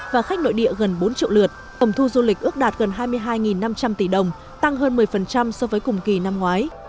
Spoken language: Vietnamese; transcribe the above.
và khách nội địa gần bốn triệu lượt tổng thu du lịch ước đạt gần hai mươi hai năm trăm linh tỷ đồng tăng hơn một mươi so với cùng kỳ năm ngoái